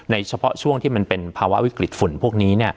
เฉพาะช่วงที่มันเป็นภาวะวิกฤตฝุ่นพวกนี้